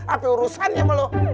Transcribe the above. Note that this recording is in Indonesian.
apa urusannya sama lu